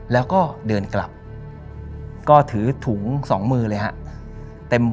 แล้วก็เดินกลับก็ถือถุงสองมือเลยฮะ